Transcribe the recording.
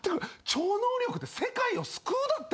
超能力で世界を救うだって！？